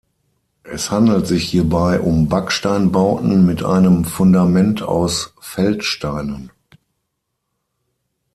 Es handelt sich hierbei um Backsteinbauten mit einem Fundament aus Feldsteinen.